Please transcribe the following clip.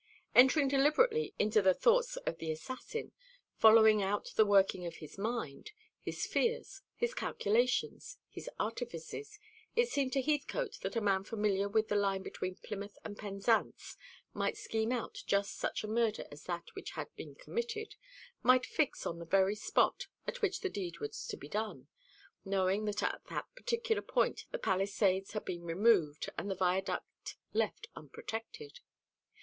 Entering deliberately into the thoughts of the assassin, following out the working of his mind, his fears, his calculations, his artifices, it seemed to Heathcote that a man familiar with the line between Plymouth and Penzance might scheme out just such a murder as that which had been committed, might fix on the very spot at which the deed was to be done, knowing that at that particular point the palisades had been removed, and the viaduct left unprotected.